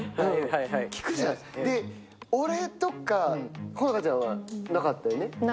で、俺とか穂香ちゃんはなかったよね。